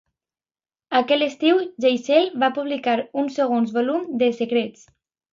Aquell estiu, Geisel va publicar un segon volum de "Secrets".